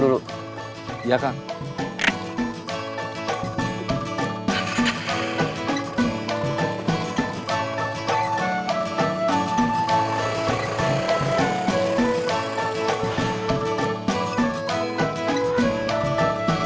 isi nih pak